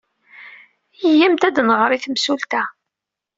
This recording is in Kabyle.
Iyyamt ad nɣer i temsulta.